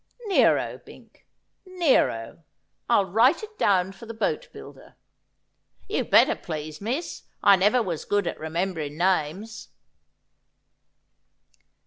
' Nero, Bink, Nero. I'll write it down for the boat builder.' ' You'd better, please, miss. I never was good at remember ing names.'